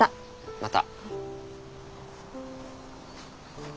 また。